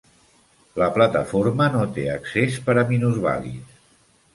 La plataforma no té accés per a minusvàlids.